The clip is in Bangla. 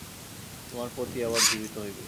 তোমার পতি আবার জীবিত হইবে।